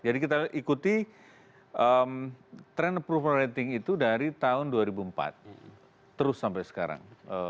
jadi kita ikuti trend approval rating itu dari tahun dua ribu empat terus sampai sekarang